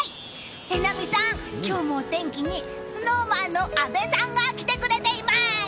榎並さん、今日もお天気にＳｎｏｗＭａｎの阿部さんが来てくれています！